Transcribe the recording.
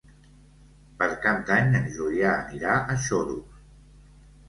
Per Cap d'Any en Julià anirà a Xodos.